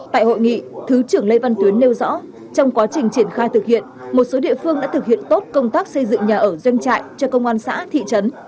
tại hội nghị thứ trưởng lê văn tuyến nêu rõ trong quá trình triển khai thực hiện một số địa phương đã thực hiện tốt công tác xây dựng nhà ở doanh trại cho công an xã thị trấn